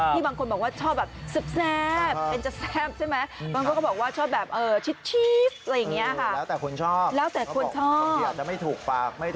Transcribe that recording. ที่บางคนบอกว่าที่ชอบแบบซึปแซป